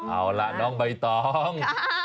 เอาล่ะน้องใบตอง